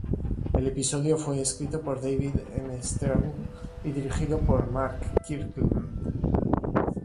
El episodio fue escrito por David M. Stern y dirigido por Mark Kirkland.